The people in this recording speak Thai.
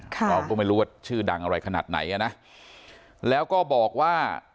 เราก็ไม่รู้ว่าชื่อดังอะไรขนาดไหนอ่ะนะแล้วก็บอกว่า